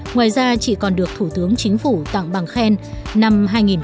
ngoài ra chỉ còn được thủ tướng chính phủ tặng bằng khen năm hai nghìn một mươi năm